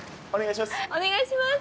お願いします。